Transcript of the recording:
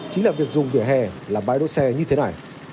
chính là việc dùng vỉa hè làm bãi đỗ xe như thế này